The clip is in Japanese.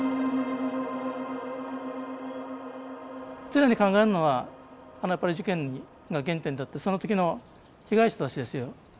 常に考えるのはあのやっぱり事件が原点であってその時の被害者たちですよ。